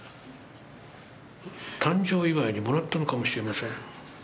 誕生祝にもらったのかもしれません。